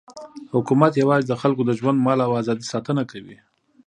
حکومت یوازې د خلکو د ژوند، مال او ازادۍ ساتنه کوي.